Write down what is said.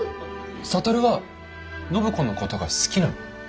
智は暢子のことが好きなの？